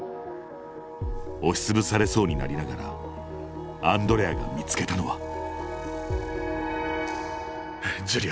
押しつぶされそうになりながらアンドレアが見つけたのはジュリア！